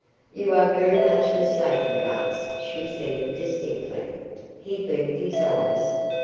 "You are very much mistaken, Gartz," she said, distinctly. He blinked his eyes.